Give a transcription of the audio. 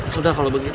sudah kalau begitu